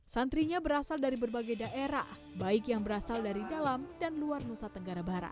santrinya berasal dari berbagai daerah baik yang berasal dari dalam dan luar nusa tenggara barat